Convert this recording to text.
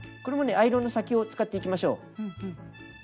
アイロンの先を使っていきましょう。